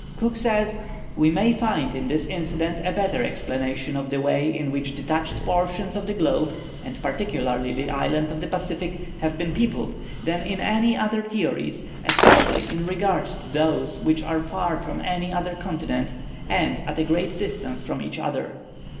Cook says, "We may find in this incident a better explanation of the way in which detached portions of the globe, and particularly the islands of the Pacific, have been peopled, than in any theories; especially in regard to those which are far from any other continent, and at a great distance from each other."